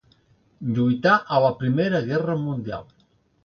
Lluità a la Primera Guerra Mundial.